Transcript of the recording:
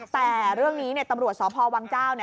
แต่ตำรวจศพวังเจ้าเนี่ย